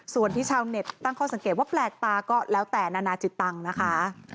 ส่วนที่ชาวเน็ตตั้งข้อสังเกตว่าแปลกตาก็แล้วแต่นานาจิตตังค์นะคะ